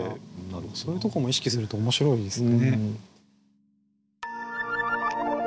そういうとこも意識すると面白いですね。